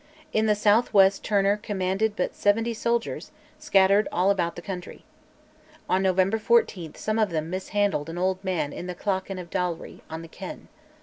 In the south west Turner commanded but seventy soldiers, scattered all about the country. On November 14 some of them mishandled an old man in the clachan of Dalry, on the Ken.